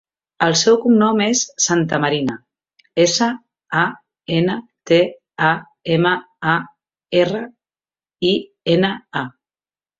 El seu cognom és Santamarina: essa, a, ena, te, a, ema, a, erra, i, ena, a.